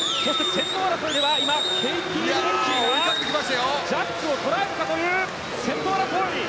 先頭争いはケイティ・レデッキーがジャックを捉えるかという先頭争い。